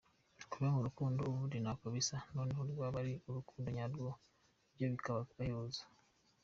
Kuba mu rukundo ubundi ntako bisa, noneho rwaba ari urukundo nyarwo byo bikaba agahebuzo.